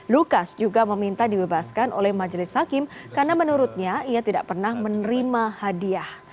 lukas juga meminta dibebaskan oleh majelis hakim karena menurutnya ia tidak pernah menerima hadiah